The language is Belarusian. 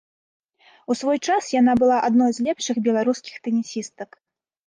У свой час яна была адной з лепшых беларускіх тэнісістак.